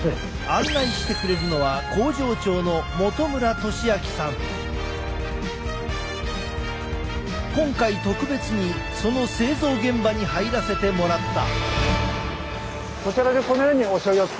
案内してくれるのは今回特別にその製造現場に入らせてもらった。